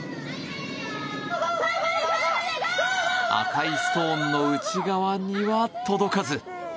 赤いストーンの内側には届かず。